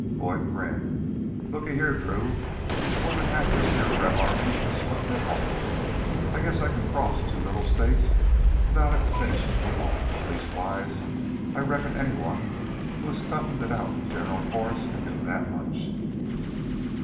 Boyd grinned. "Looky here, Drew, more'n half of this heah Reb army is footin' it home. I guess I can cross two little states without it finishin' me off leastwise I reckon anyone who has toughened it out with General Forrest can do that much."